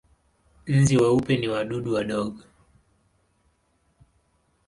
Nzi weupe ni wadudu wadogo.